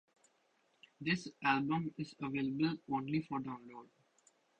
This album is available only for download.